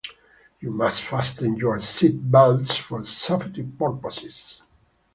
You must fasten your seat belts for safety purposes.